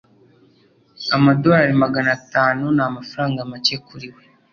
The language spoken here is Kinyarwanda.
Amadolari magana atanu ni amafaranga make kuri we